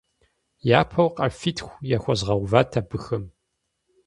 Япэу къафитху яхуэзгъэуват абыхэм.